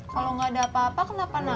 kalau gak ada apa apa kenapa nanya